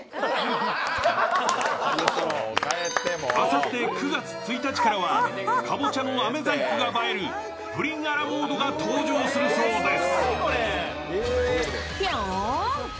あさって９月１日からは、かぼちゃのあめ細工が映えるプリンアラモードが登場するそうです。